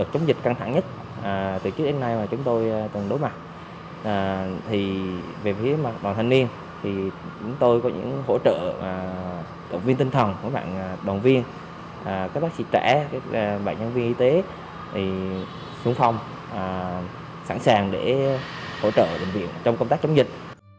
các bác sĩ trẻ các bệnh nhân viên y tế xuống phòng sẵn sàng để hỗ trợ đồng viện trong công tác chống dịch